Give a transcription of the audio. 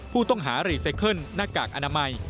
ผู้ต้องหารีไซเคิลหน้ากากอนามัย